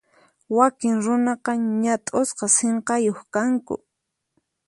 Wakin runaqa ñat'usqa sinqayuq kanku.